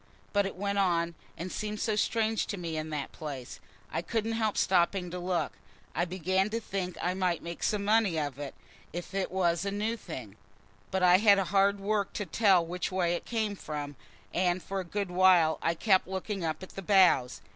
But it went on, and seemed so strange to me in that place, I couldn't help stopping to look. I began to think I might make some money of it, if it was a new thing. But I had hard work to tell which way it came from, and for a good while I kept looking up at the boughs.